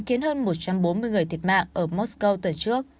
khiến hơn một trăm bốn mươi người thiệt mạng ở moscow từ trước